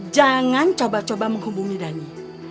jangan coba coba menghubungi dhani